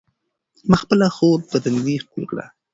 ما خپله خور په تندي ښکل کړه.